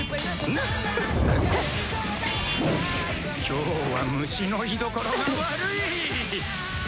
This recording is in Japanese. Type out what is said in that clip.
今日は虫の居所が悪い！